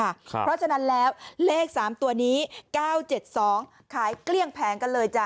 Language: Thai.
เพราะฉะนั้นแล้วเลข๓ตัวนี้๙๗๒ขายเกลี้ยงแผงกันเลยจ้ะ